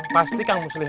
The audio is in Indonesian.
pasti kang harus lihat